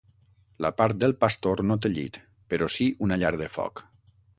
La part del pastor no té llit, però sí una llar de foc.